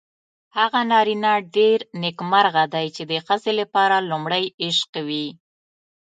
هغه نارینه ډېر نېکمرغه دی چې د ښځې لپاره لومړی عشق وي.